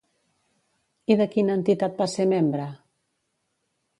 I de quina entitat va ser membre?